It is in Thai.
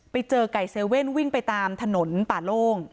ไปเจอไก่เซเว่นวิ่งไปตามถนนป่าโล่ง